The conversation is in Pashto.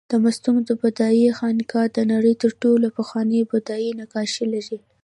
د مستونګ د بودایي خانقاه د نړۍ تر ټولو پخواني بودایي نقاشي لري